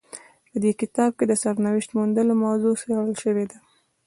په دې کتاب کې د سرنوشت موندلو موضوع څیړل شوې ده.